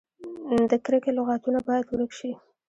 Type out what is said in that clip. د کرکې لغتونه باید ورک شي.